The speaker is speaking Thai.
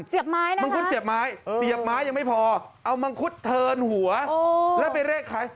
เสียบไม้นะคะมังคุดเสียบไม้มังคุดเถินหัวแล้วไปเรศขาย